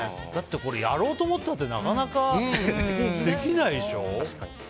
だって、これやろうと思ったってなかなかできないでしょ。